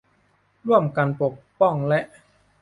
ร่วมกันป้องกันและ